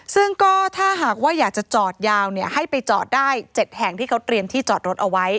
ซึ่งก็ถ้าหากว่าอยากจะจอดยาวให้ไปจอดได้๗แห่งที่เขาเตรียมที่จอดรถเอาไว้